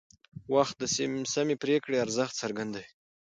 وخت د سمې پرېکړې ارزښت څرګندوي